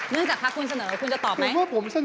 เนื่องจากคำคุณเสนอคุณจะตอบไหม